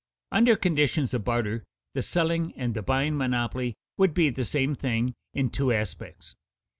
Under conditions of barter the selling and the buying monopoly would be the same thing in two aspects.